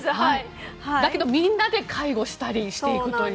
だけどみんなで介護したりしていくという。